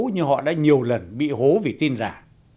như họ đã nhiều lần bị hố vì tin giả